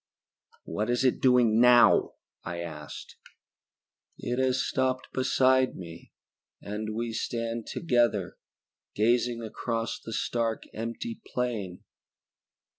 "What is it doing now?" I asked. "It has stopped beside me and we stand together, gazing across the stark, empty plain.